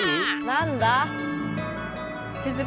何だ？